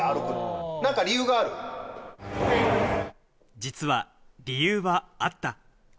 実は理由はあった。